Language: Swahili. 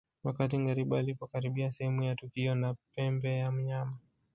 Wakati ngariba alipokaribia sehemu ya tukio na pembe ya mnyama